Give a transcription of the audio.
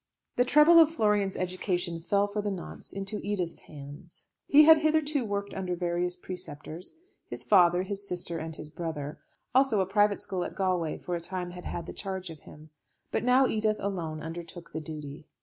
The trouble of Florian's education fell for the nonce into Edith's hands. He had hitherto worked under various preceptors; his father, his sister, and his brother; also a private school at Galway for a time had had the charge of him. But now Edith alone undertook the duty.